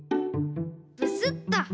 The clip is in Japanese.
ブスッと！